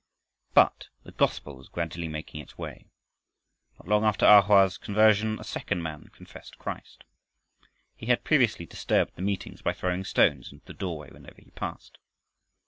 But the gospel was gradually making its way. Not long after A Hoa's conversion a second man confessed Christ. He had previously disturbed the meetings by throwing stones into the doorway whenever he passed.